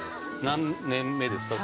何年目ですか？